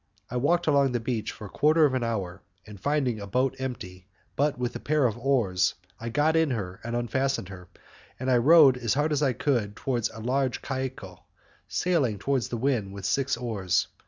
I walked along the beach for a quarter of an hour, and finding a boat empty, but with a pair of oars, I got in her, and unfastening her, I rowed as hard as I could towards a large caicco, sailing against the wind with six oars.